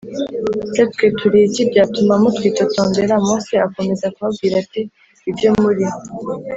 se twe turi iki byatuma mutwitotombera Mose akomeza kubabwira ati ibyo muri